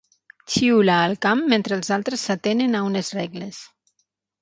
Xiula al camp mentre els altres s'atenen a unes regles.